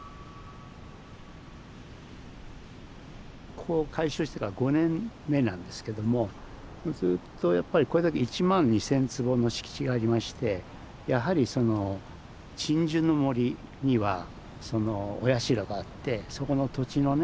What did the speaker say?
ここ開所してから５年目なんですけどもずっとやっぱりこれだけ１万２，０００坪の敷地がありましてやはりその鎮守の森にはそのお社があってそこの土地のね